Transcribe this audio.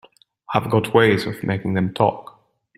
I got ways of making them talk.